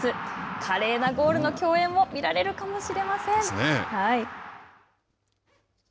華麗なゴールの共演も見られるかもしれません。